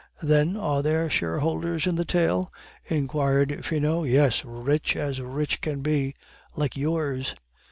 "Then, are there shareholders in the tale?" inquired Finot. "Yes; rich as rich can be like yours."